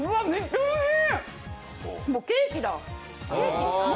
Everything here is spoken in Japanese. おいしい！